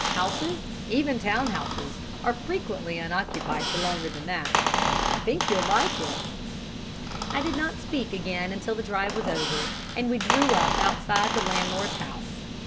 Houses even town houses are frequently unoccupied for longer than that. I think you'll like it." I did not speak again till the drive was over, and we drew up outside the landlord's house.